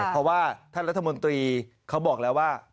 เพราะว่าท่านรัฐมนตรีเขาบอกแล้วว่า